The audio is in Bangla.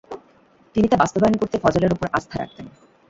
তিনি তা বাস্তবায়ন করতে ফজলের উপর আস্থা রাখতেন।